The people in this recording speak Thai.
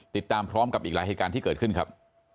ติดตามพร้อมกับอีกหลายเหตุการณ์ที่เกิดขึ้นครับ